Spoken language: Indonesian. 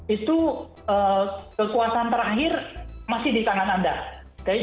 itu kekuasaan terakhir masih di tangan anda